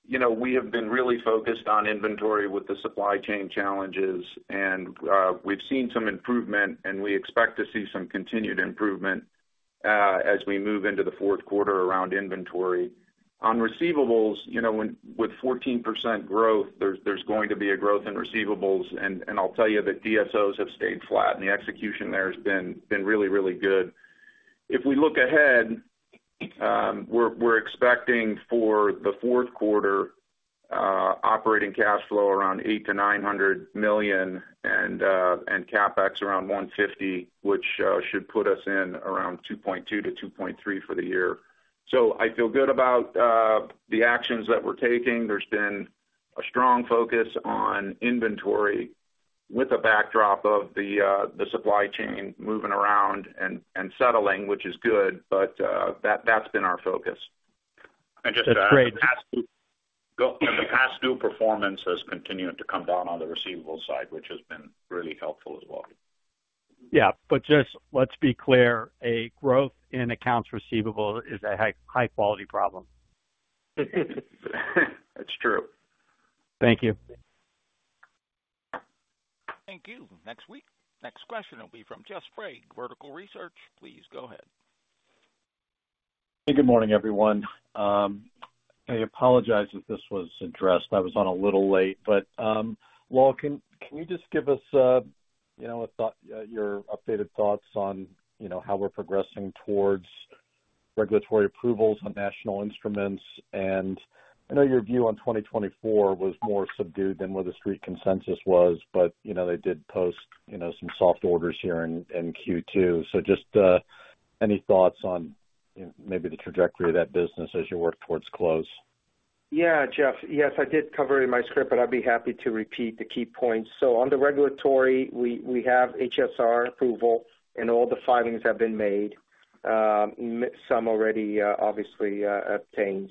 you know, we have been really focused on inventory with the supply chain challenges, and we've seen some improvement, and we expect to see some continued improvement as we move into the fourth quarter around inventory. On receivables, you know, with 14% growth, there's going to be a growth in receivables. I'll tell you that DSO have stayed flat, and the execution there has been really, really good. If we look ahead, we're expecting for the fourth quarter, operating cash flow around $800 million-$900 million, and CapEx around $150, which should put us in around $2.2 billion-$2.3 billion for the year. I feel good about the actions that we're taking. There's been a strong focus on inventory with the backdrop of the, the supply chain moving around and, and settling, which is good, but, that, that's been our focus. That's great. The past due performance has continued to come down on the receivables side, which has been really helpful as well. Yeah, but just let's be clear, a growth in accounts receivable is a high, high quality problem. It's true. Thank you. Thank you. Next question will be from Jeff Sprague, Vertical Research. Please go ahead. Good morning, everyone. I apologize if this was addressed. I was on a little late, but, well, can you just give us, you know, a thought, your updated thoughts on, you know, how we're progressing towards regulatory approvals on National Instruments? I know your view on 2024 was more subdued than where the Street consensus was, but, you know, they did post, you know, some soft orders here in Q2. Just any thoughts on maybe the trajectory of that business as you work towards close? Yeah, Jeff. Yes, I did cover it in my script, but I'd be happy to repeat the key points. On the regulatory, we, we have HSR approval, and all the filings have been made, some already, obviously, obtained.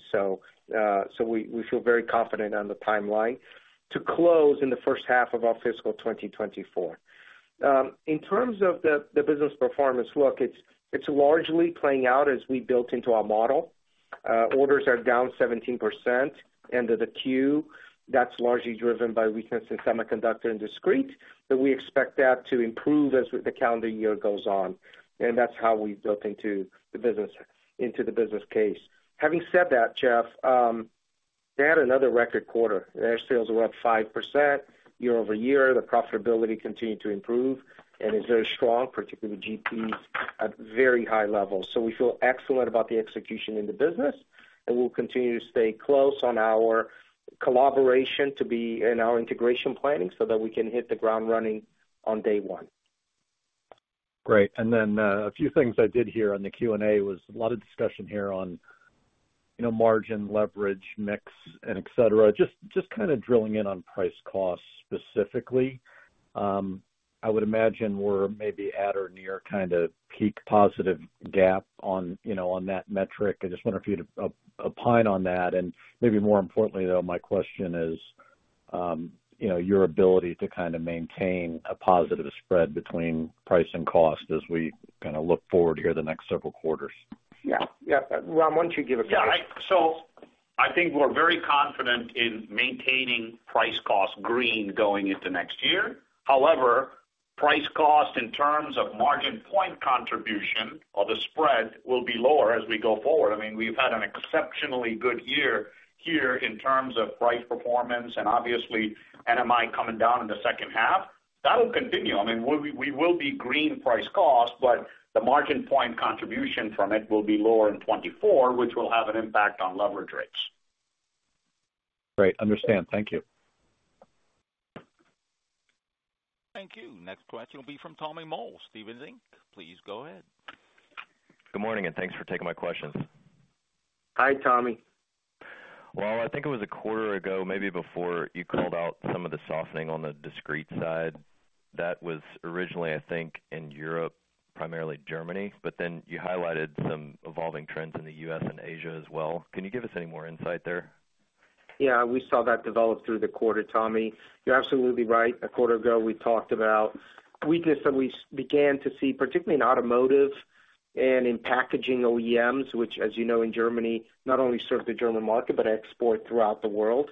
We, we feel very confident on the timeline to close in the first half of our fiscal 2024. In terms of the, the business performance, look, it's, it's largely playing out as we built into our model. Orders are down 17% end of the queue. That's largely driven by weakness in semiconductor and discrete, but we expect that to improve as the calendar year goes on, and that's how we've built into the business, into the business case. Having said that, Jeff, they had another record quarter. Their sales were up 5% year-over-year. The profitability continued to improve and is very strong, particularly GP at very high levels. We feel excellent about the execution in the business, and we'll continue to stay close on our collaboration to be in our integration planning so that we can hit the ground running on day one. Great. Then, a few things I did hear on the Q&A was a lot of discussion here on, you know, margin leverage, mix, and et cetera. Just kind of drilling in on price costs specifically. I would imagine we're maybe at or near kind of peak positive gap on, you know, on that metric. I just wonder if you'd opine on that. Maybe more importantly, though, my question is. You know, your ability to kind of maintain a positive spread between price and cost as we kind of look forward here the next several quarters? Yeah. Yeah, Ram, why don't you give it a try? Yeah, I think we're very confident in maintaining price-cost green going into next year. However, price-cost in terms of margin point contribution or the spread will be lower as we go forward. I mean, we've had an exceptionally good year here in terms of price performance and obviously NMI coming down in the second half. That'll continue. I mean, we will be green price cost, the margin point contribution from it will be lower in 2024, which will have an impact on leverage rates. Great. Understand. Thank you. Thank you. Next question will be from Tommy Moll, Stephens Inc. Please go ahead. Good morning. Thanks for taking my questions. Hi, Tommy. Well, I think it was a quarter ago, maybe before, you called out some of the softening on the discrete side. That was originally, I think, in Europe, primarily Germany, but then you highlighted some evolving trends in the U.S. and Asia as well. Can you give us any more insight there? Yeah, we saw that develop through the quarter, Tommy. You're absolutely right. A quarter ago, we talked about weakness that we began to see, particularly in automotive and in packaging OEMs, which, as you know, in Germany, not only serve the German market, but export throughout the world.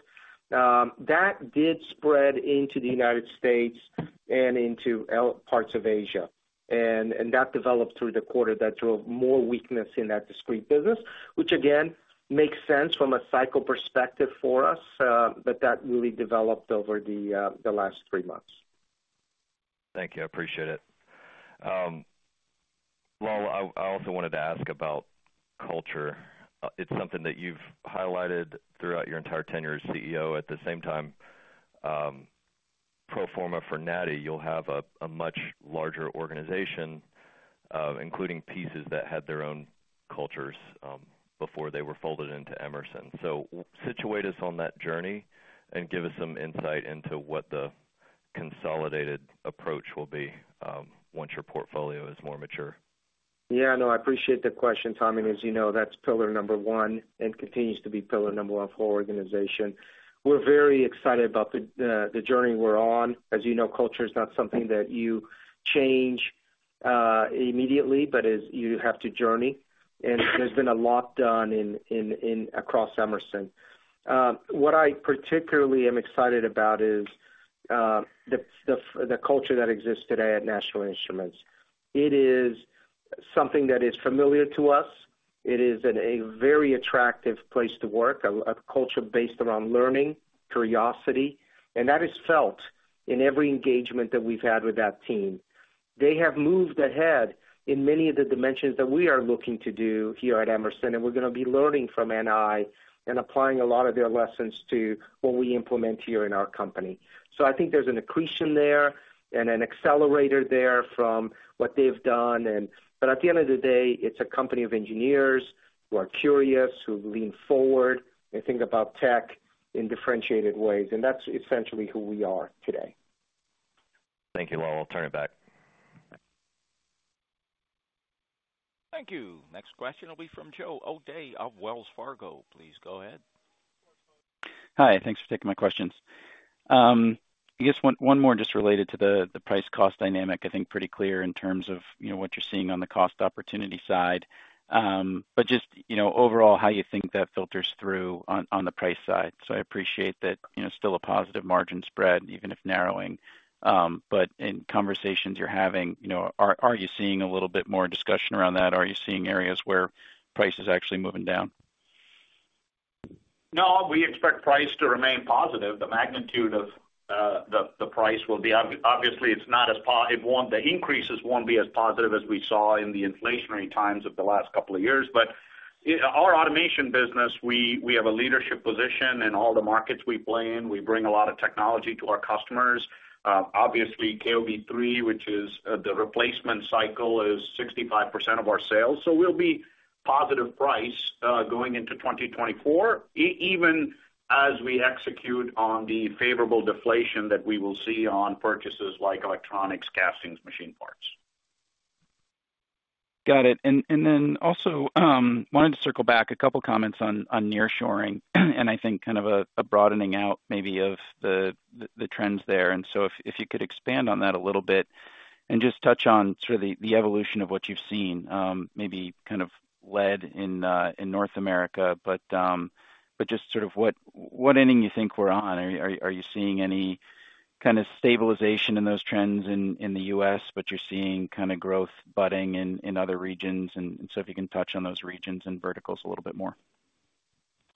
That did spread into the United States and into parts of Asia, and that developed through the quarter. That drove more weakness in that discrete business, which again, makes sense from a cycle perspective for us, but that really developed over the last three months. Thank you. I appreciate it. Well, I, I also wanted to ask about culture. It's something that you've highlighted throughout your entire tenure as CEO. At the same time, pro forma for NI, you'll have a, a much larger organization, including pieces that had their own cultures, before they were folded into Emerson. Situate us on that journey and give us some insight into what the consolidated approach will be, once your portfolio is more mature. Yeah, no, I appreciate the question, Tommy. As you know, that's pillar number one and continues to be pillar number one for our organization. We're very excited about the, the, the journey we're on. As you know, culture is not something that you change immediately, but is you have to journey. There's been a lot done in, in, in, across Emerson. What I particularly am excited about is the the, the culture that exists today at National Instruments. It is something that is familiar to us. It is an a very attractive place to work, a culture based around learning, curiosity, and that is felt in every engagement that we've had with that team. They have moved ahead in many of the dimensions that we are looking to do here at Emerson, we're going to be learning from NI and applying a lot of their lessons to what we implement here in our company. I think there's an accretion there and an accelerator there from what they've done. At the end of the day, it's a company of engineers who are curious, who lean forward and think about tech in differentiated ways, and that's essentially who we are today. Thank you. Well, I'll turn it back. Thank you. Next question will be from Joe O'Dea of Wells Fargo. Please go ahead. Hi, thanks for taking my questions. I guess one, one more just related to the, the price cost dynamic. I think pretty clear in terms of, you know, what you're seeing on the cost opportunity side. Just, you know, overall, how you think that filters through on, on the price side. I appreciate that, you know, still a positive margin spread, even if narrowing. In conversations you're having, you know, are, are you seeing a little bit more discussion around that? Are you seeing areas where price is actually moving down? No, we expect price to remain positive. The magnitude of the price will be obviously, it's not as it won't the increases won't be as positive as we saw in the inflationary times of the last couple of years. But our automation business, we, we have a leadership position in all the markets we play in. We bring a lot of technology to our customers. Obviously, KOB3, which is the replacement cycle, is 65% of our sales. We'll be positive price going into 2024, even as we execute on the favorable deflation that we will see on purchases like electronics, castings, machine parts. Got it. Then also, wanted to circle back a couple comments on nearshoring, and I think kind of a broadening out maybe of the trends there. So if you could expand on that a little bit and just touch on sort of the evolution of what you've seen, maybe kind of led in North America, but just sort of what inning you think we're on. Are you seeing any kind of stabilization in those trends in the U.S., but you're seeing kind of growth budding in other regions? So if you can touch on those regions and verticals a little bit more.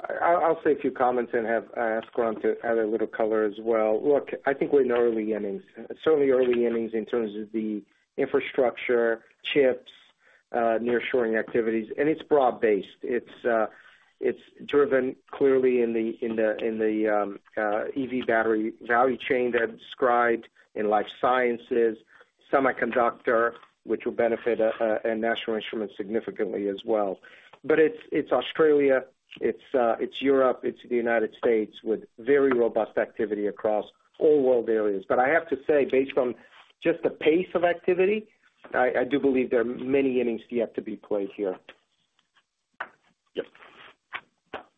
I, I'll say a few comments and have, ask Ram to add a little color as well. Look, I think we're in early innings, certainly early innings in terms of the infrastructure, chips, nearshoring activities, and it's broad-based. It's, it's driven clearly in the, in the, in the, EV battery value chain that I described in life sciences, semiconductor, which will benefit, and National Instruments significantly as well. It's Australia, it's Europe, it's the United States, with very robust activity across all world areas. I have to say, based on just the pace of activity, I, I do believe there are many innings yet to be played here. Yes.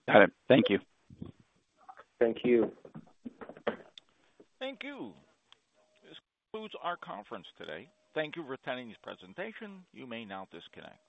Got it. Thank you. Thank you. Thank you. This concludes our conference today. Thank you for attending this presentation. You may now disconnect.